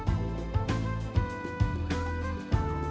sebagai kaum intelektual